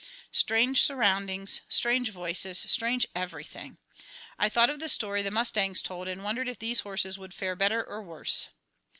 Strange surroundings, strange voices, strange everything! I thought of the story the mustangs told, and wondered if these horses would fare better or worse.